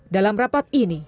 dalam rapat ini